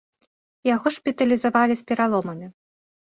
Яго шпіталізавалі з пераломамі.